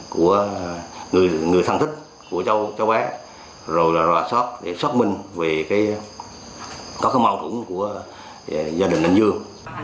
của người thân thích của cháu bé rồi là ra sót để sót minh về cái có cái mâu tủng của gia đình anh dương